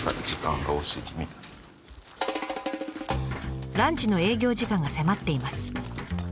ランチの営業時間が迫っています。